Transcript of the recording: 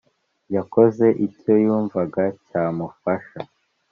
Yakoze icyo yumvaga cyamufasha